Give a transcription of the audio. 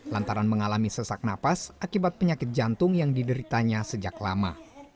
lantaran mengalami sesak nafas akibat penyakit jantung yang dideritanya sejak lama